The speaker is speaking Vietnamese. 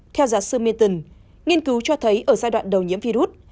theo giáo sư meton nghiên cứu cho thấy ở giai đoạn đầu nhiễm virus